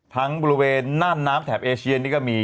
ทั้งบริเวณน่านน้ำแถบเอเชียนี่ก็มี